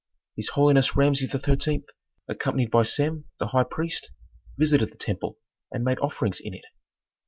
His holiness Rameses XIII., accompanied by Sem the high priest, visited the temple and made offerings in it.